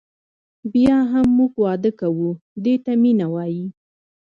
بیا هم موږ واده کوو دې ته مینه وایي.